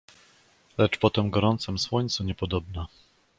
"Lecz po tem gorącem słońcu niepodobna."